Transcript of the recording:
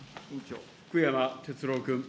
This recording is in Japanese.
福山哲郎君。